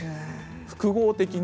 複合的に。